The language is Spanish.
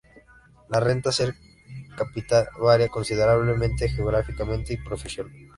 La renta per cápita varía considerablemente geográficamente y profesión.